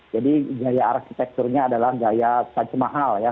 jadi gaya arsitekturnya adalah gaya tajamahal ya